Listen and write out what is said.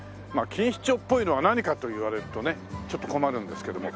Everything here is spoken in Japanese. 錦糸町っぽいのは何かと言われるとねちょっと困るんですけども。